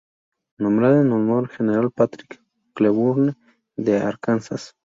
Nombrado en honor del General Patrick Cleburne, de Arkansas.